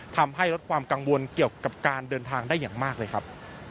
ทำให้ลดความกังวลเกี่ยวกับการเดินทางได้อย่างมากเลยครับ